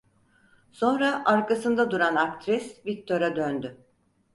Sonra arkasında duran aktris Viktor'a döndü: